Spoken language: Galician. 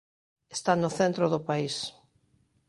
Está no centro do país.